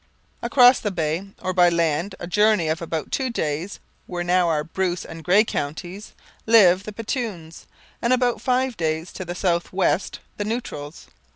Across the bay, or by land a journey of about two days, where now are Bruce and Grey counties, lived the Petuns, and about five days to the south west, the Neutrals.